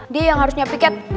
dia yang harusnya piket